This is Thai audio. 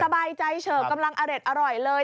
สบายใจเฉิบกำลังอเร็ดอร่อยเลย